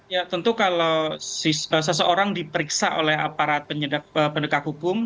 ya tentu kalau seseorang diperiksa oleh aparat pendekat hukum